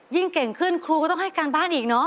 ยิ่งเก่งขึ้นครูก็ต้องให้การบ้านอีกเนอะ